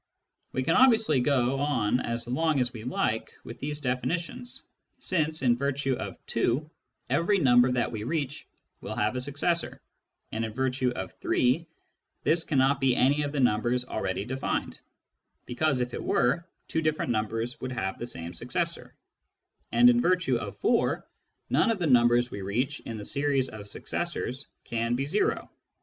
We can obviously go on as long as we like with these definitions, since, in virtue of (2), every number that we reach will have a successor, and, in virtue of (3), this cannot be any of the numbers already defined, because, if it were, two different numbers would have the same successor ; and in virtue of (4) none of the numbers we reach in the series of successors can be o.